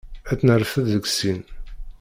Ad t-nerfed deg sin.